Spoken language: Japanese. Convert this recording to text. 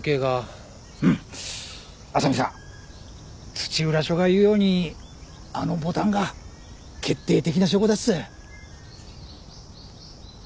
土浦署が言うようにあのボタンが決定的な証拠だす。